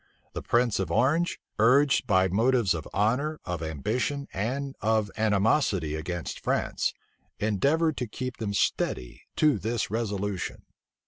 The prince of Orange, urged by motives of honor, of ambition, and of animosity against France, endeavored to keep them steady to this resolution.